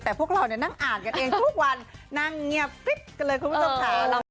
แต่พวกเรานั่งอ่านกันเองทุกวันนั่งเงียบฟิตกันเลยคุณผู้ชมค่ะ